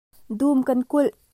Dum kan kulh.